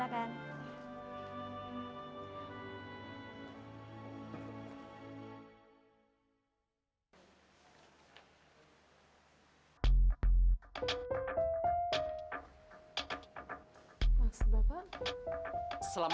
anda ditunggu di ruangan hrd